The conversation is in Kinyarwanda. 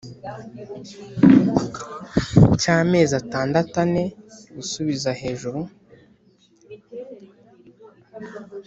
cy’amezi atandatu ane gusubiza hejuru;